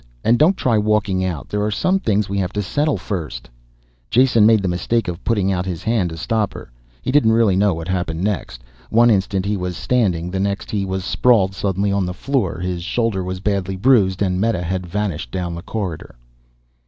And don't try walking out, there are some things we have to settle first " Jason made the mistake of putting out his hand to stop her. He didn't really know what happened next. One instant he was standing the next he sprawled suddenly on the floor. His shoulder was badly bruised, and Meta had vanished down the corridor.